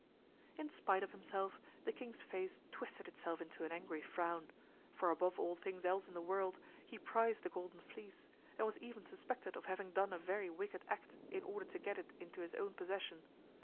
In spite of himself, the king's face twisted itself into an angry frown; for, above all things else in the world, he prized the Golden Fleece, and was even suspected of having done a very wicked act in order to get it into his own possession.